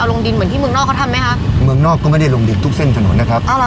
ลงดินเหมือนที่เมืองนอกเขาทำไหมคะเมืองนอกก็ไม่ได้ลงดินทุกเส้นถนนนะครับ